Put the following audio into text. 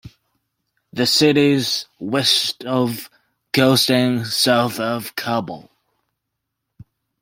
The city is west of Khost and south of Kabul.